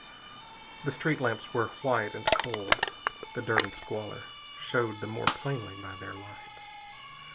The street lamps were white and cold. The dirt and squalor showed the more plainly by their light.